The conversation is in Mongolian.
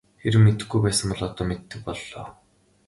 Хэрэв мэдэхгүй байсан бол одоо мэддэг боллоо.